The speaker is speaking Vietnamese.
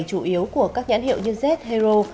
chủ yếu của các nhãn hiệu như z hero